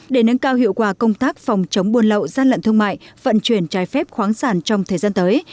để nâng cao hiệu quả công tác phòng chống buôn lậu gian lận thương mại vận chuyển trái phép khoáng sản trong thời gian tới